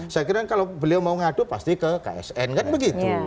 saya kira kalau beliau mau ngadu pasti ke ksn kan begitu